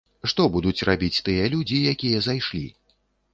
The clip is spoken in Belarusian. Што будуць рабіць тыя людзі, якія зайшлі?